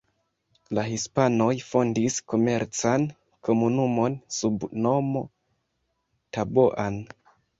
La hispanoj fondis komercan komunumon sub nomo Taboan.